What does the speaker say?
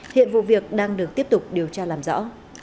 hiện vụ việc đang được tiếp tục điều tra làm rõ